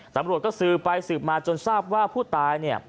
ตำรวจก็สืบไปสืบมาจนทราบว่าผู้ตายเนี่ย